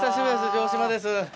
城島です。